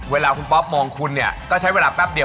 เวลาคุณป๊อปมองคุณเนี่ยก็ใช้เวลาแป๊บเดียว